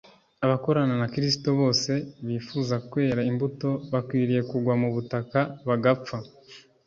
Abakorana na Kristo bose, bifuza kwera imbuto, bakwiriye kugwa mu butaka bagapfa.